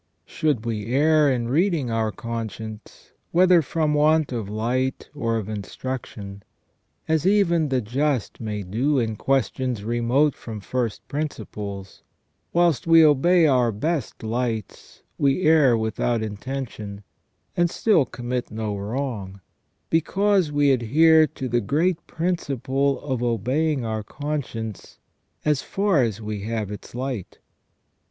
SELF AND CONSCIENCE. 133 Should we err in reading our conscience, whether from want of light or of instruction, as even the just may do in questions remote from first principles, whilst we obey our best lights, we err without intention, and still commit no wrong, because we adhere to the great principle of obeying our conscience as far as we have its light.